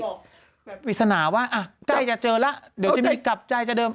แบบปริศนาว่าใกล้จะเจอแล้วเดี๋ยวจะไม่กลับใจจะเดิม